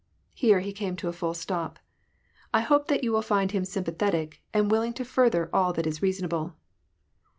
(Here he came to a full stop.) " I hope that you will find him sympathetic^ and willing to further all that is reasonable."